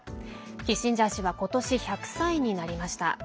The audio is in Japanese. キッシンジャー氏は今年１００歳になりました。